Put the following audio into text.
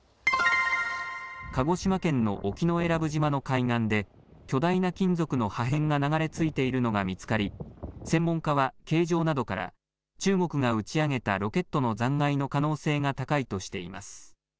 鹿児島県の沖永良部島の海岸で巨大な金属の破片が流れ着いているのが見つかり専門家は形状などから中国が打ち上げたロケットの残骸の可能性が高いとしています。